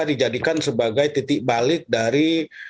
dijadikan sebagai titik balik dari